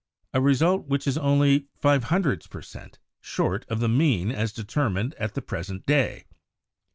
a result which is only 0.05 per cent, short of the mean as determined at the present day.